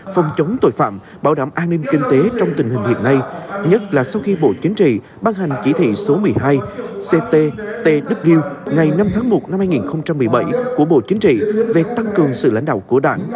phòng chống tội phạm bảo đảm an ninh kinh tế trong tình hình hiện nay nhất là sau khi bộ chính trị ban hành chỉ thị số một mươi hai cttw ngày năm tháng một năm hai nghìn một mươi bảy của bộ chính trị về tăng cường sự lãnh đạo của đảng